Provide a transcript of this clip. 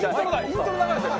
イントロ流れてる。